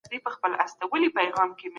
په خپلو خبرو کي دقت وکړه.